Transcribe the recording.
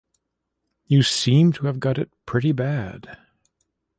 You seem to have got it pretty bad.